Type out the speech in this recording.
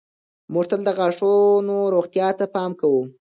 موږ تل د غاښونو روغتیا ته پام کوو.